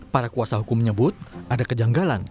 para kuasa hukum menyebut ada kejanggalan